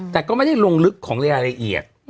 แต่ก็ไม่ได้ลงลึกของรายละเอียด